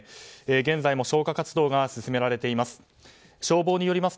現在も消火活動が進められています。